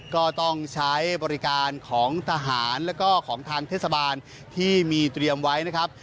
ก็ต้องใช้บริการของทหารแล้วก็ของทางเทศบาลที่มีเตรียมไว้นะครับ